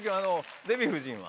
デヴィ夫人は？